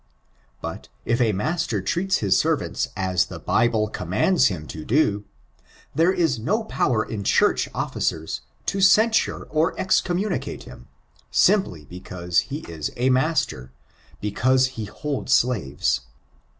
But if a master treats his servants as the Bible oonmiands hira to do, there is no power in Church officers, to oensurs or exconmiunicate him, simply because he is a master— because he holds slaves.